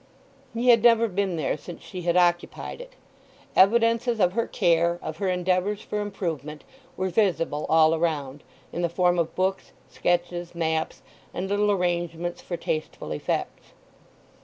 He had never been there since she had occupied it. Evidences of her care, of her endeavours for improvement, were visible all around, in the form of books, sketches, maps, and little arrangements for tasteful effects.